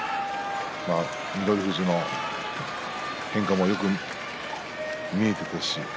翠富士の変化も、よく見えてくるし